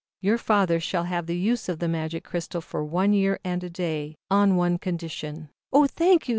"Your father shall have the use of the Magic Crystal for one year and day, on one condition "Oh, thank you!